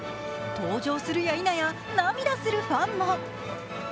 登場するやいなや涙するファンも。